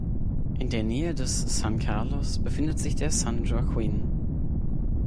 In der Nähe des San Carlos befindet sich der San Joaquin.